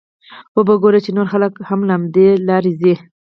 وبه ګورې چې نور خلک هم له همدې لارې ځي.